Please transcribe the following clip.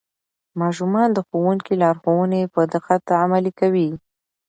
ماشومان د ښوونکي لارښوونې په دقت عملي کوي